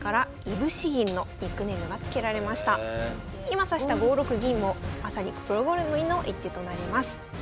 今指した５六銀もまさにプロ好みの一手となります。